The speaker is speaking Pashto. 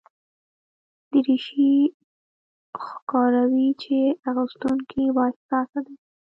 دریشي ښکاروي چې اغوستونکی بااحساسه دی.